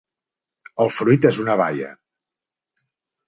El fruit és una baia.